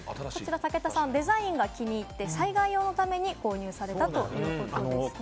武田さん、デザインが気に入って、災害用のために購入されたということです。